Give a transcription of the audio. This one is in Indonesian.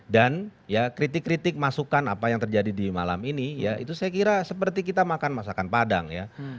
dan ya kritik kritik masukan apa yang terjadi di malam ini ya itu saya kira seperti kita makan masakan padang ya